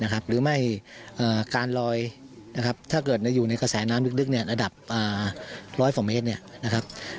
หรือไม่การลอยถ้าเกิดอยู่ในกระแสน้ำดึกระดับ๑๐๐ฟองเมตร